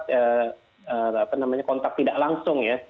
kita juga menggunakan kontak tidak langsung ya